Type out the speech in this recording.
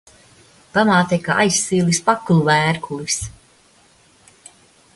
Pamāte kā aizsvilis pakulu vērkulis.